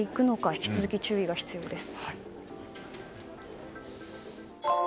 引き続き注意が必要です。